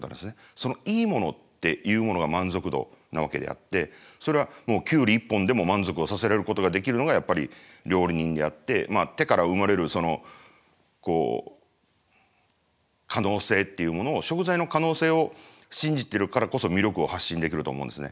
そのいいものっていうものが満足度なわけであってそれはキュウリ１本でも満足をさせられることができるのがやっぱり料理人であって手から生まれる可能性っていうものを食材の可能性を信じてるからこそ魅力を発信できると思うんですね。